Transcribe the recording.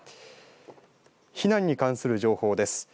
避難に関する情報です。